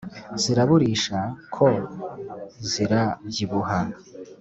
ziraburisha ko zirabyibuha.